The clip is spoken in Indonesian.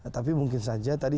tapi mungkin saja tadi